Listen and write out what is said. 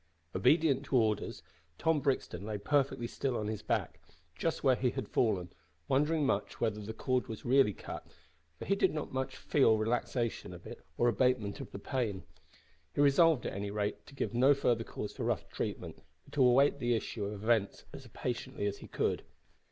Obedient to orders, Tom Brixton lay perfectly still on his back, just where he had fallen, wondering much whether the cord was really cut, for he did not feel much relaxation of it or abatement of the pain. He resolved, at any rate, to give no further cause for rough treatment, but to await the issue of events as patiently as he could.